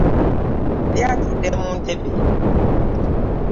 Yali atudde mu ntebe.